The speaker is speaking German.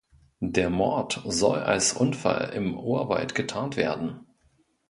Der Mord soll als Unfall im Urwald getarnt werden.